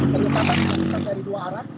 peningkatan dari dua arah